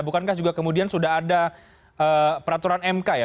bukankah juga kemudian sudah ada peraturan mk ya